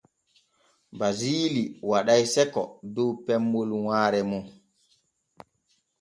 Basili waɗay sekko dow pemmol waare mum.